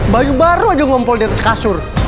bayu baru aja ngomong di atas kasur